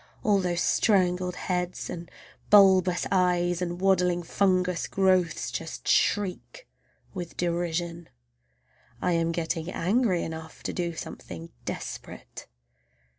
All those strangled heads and bulbous eyes and waddling fungus growths just shriek with derision! I am getting angry enough to do something desperate.